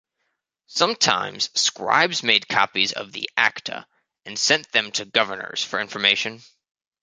Sometimes scribes made copies of the "Acta" and sent them to governors for information.